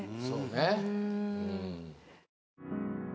そうね。